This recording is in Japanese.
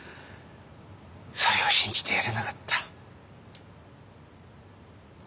それを信じてやれなかった。